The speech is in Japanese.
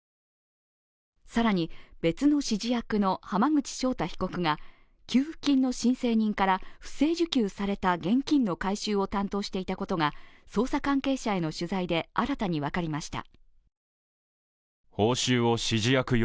更に、別の指示役の浜口正太被告が給付金の申請人から不正受給された現金の回収を担当していたことが捜査関係者への取材で新たに分かりました。